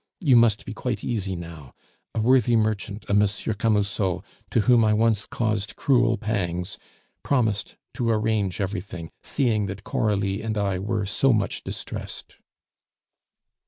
You must be quite easy now; a worthy merchant, a M. Camusot, to whom I once caused cruel pangs, promised to arrange everything, seeing that Coralie and I were so much distressed."